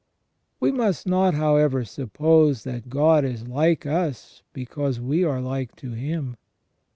We must not however suppose that God is like us because we are like to Him.